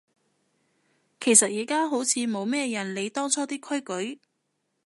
其實而家好似冇咩人理當初啲規矩